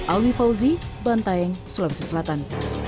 alwi fauzi bantaeng sulawesi selatan